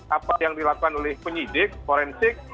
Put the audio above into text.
apa yang dilakukan oleh penyidik forensik